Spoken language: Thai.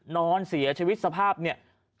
นอนเสียชีวิตสภาพเนี่ย